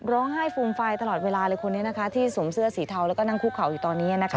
ฟูมฟายตลอดเวลาเลยคนนี้นะคะที่สวมเสื้อสีเทาแล้วก็นั่งคุกเข่าอยู่ตอนนี้นะคะ